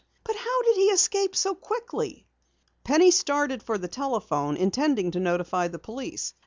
"But how did he escape so quickly?" Penny started for a telephone, intending to notify the police.